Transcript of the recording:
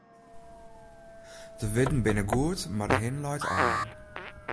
De wurden binne goed, mar de hin leit aaien.